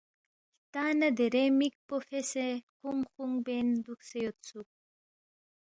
ہلتا نہ درے مِک پو فیسے خُونگ خُونگ بین دُوکسے یودسُوک